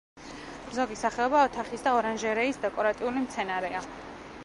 ზოგი სახეობა ოთახის და ორანჟერეის დეკორატიული მცენარეა.